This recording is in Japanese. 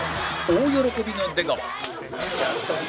大喜びの出川